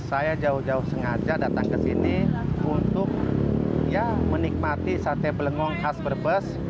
saya jauh jauh sengaja datang ke sini untuk menikmati sate belengong khas brebes